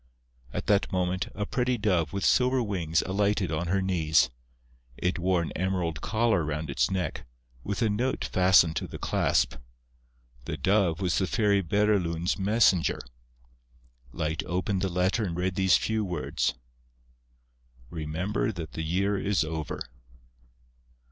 At that moment, a pretty dove, with silver wings, alighted on her knees. It wore an emerald collar round its neck, with a note fastened to the clasp. The dove was the Fairy Bérylune's messenger. Light opened the letter and read these few words: "Remember that the year is over."